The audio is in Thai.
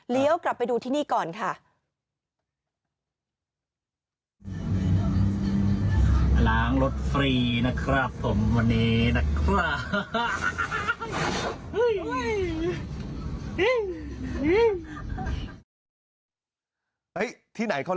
กลับไปดูที่นี่ก่อนค่ะ